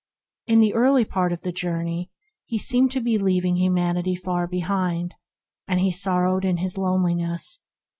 In the early part of his journey he seemed to be leaving humanity far behind, and he sorrowed in his loneliness.